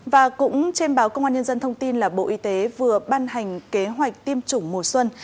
và cũng trên báo công an nhân dân thông tin là bộ y tế vừa ban hành kế hoạch tiêm chủng mùa xuân